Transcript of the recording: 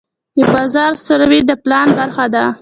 د بازار سروې د پلان برخه ده.